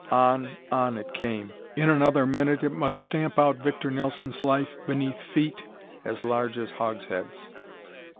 On, on it came. In another minute it must stamp out Victor Nelson's life beneath feet as large as hogsheads.